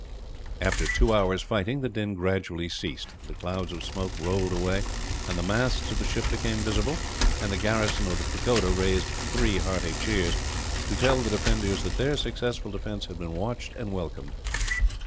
After two hours' fighting the din gradually ceased. The clouds of smoke rolled away, and the masts of the ships became visible, and the garrison of the pagoda raised three hearty cheers, to tell the defenders that their successful defence had been watched and welcomed.